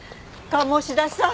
鴨志田さん